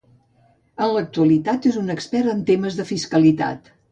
En l'actualitat és un expert en temes de fiscalitat.